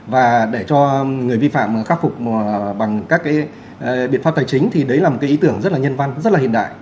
và để cho người vi phạm khắc phục bằng các cái biện pháp tài chính thì đấy là một cái ý tưởng rất là nhân văn rất là hiện đại